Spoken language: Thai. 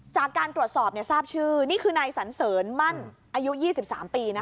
จากการตรวจสอบทราบชื่อนี่คือนายสันเสริญมั่นอายุ๒๓ปี